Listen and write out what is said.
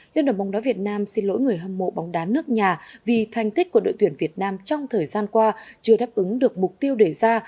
liên đoàn bóng đá việt nam xin lỗi người hâm mộ bóng đá nước nhà vì thành tích của đội tuyển việt nam trong thời gian qua chưa đáp ứng được mục tiêu đề ra